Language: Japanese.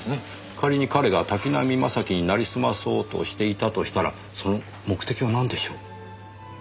仮に彼が滝浪正輝になりすまそうとしていたとしたらその目的はなんでしょう？